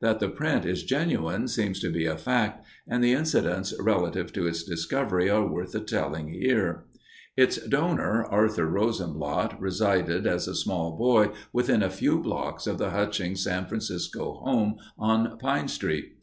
That the print is genuine seems to be a fact, and the incidents relative to its discovery are worth the telling here. Its donor, Arthur Rosenblatt, resided as a small boy within a few blocks of the Hutchings San Francisco home on Pine Street.